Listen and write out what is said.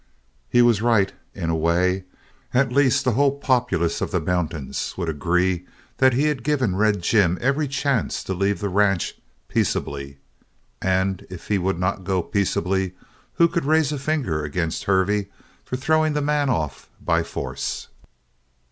He was right, in a way. At least, the whole populace of the mountains would agree that he had given Red Jim every chance to leave the ranch peaceably. And if he would not go peaceably, who could raise a finger against Hervey for throwing the man off by force?